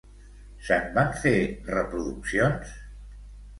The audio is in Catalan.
Se'n van fer reproduccions?